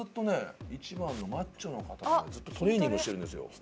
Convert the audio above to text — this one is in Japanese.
１番のマッチョの方がねずっとトレーニングしてるんですよ。